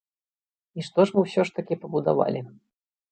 І што ж мы ўсё ж такі пабудавалі?